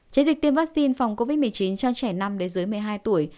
chiến dịch tiêm vaccine phòng covid một mươi chín cho trẻ năm đến dưới một mươi hai tuổi